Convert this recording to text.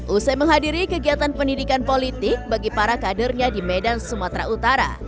usai menghadiri kegiatan pendidikan politik bagi para kadernya di medan sumatera utara